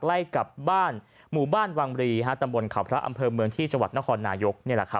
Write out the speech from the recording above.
ใกล้กับบ้านหมู่บ้านวังรีตำบลเขาพระอำเภอเมืองที่จังหวัดนครนายก